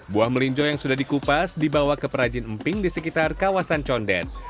buah melinjo yang sudah dikupas dibawa ke perajin emping di sekitar kawasan condet